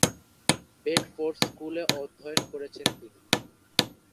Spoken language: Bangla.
বেডফোর্ড স্কুলে অধ্যয়ন করেছেন তিনি।